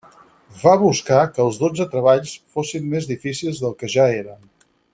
Va buscar que els dotze treballs fossin més difícils del que ja eren.